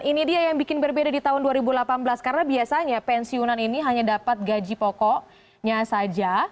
ini dia yang bikin berbeda di tahun dua ribu delapan belas karena biasanya pensiunan ini hanya dapat gaji pokoknya saja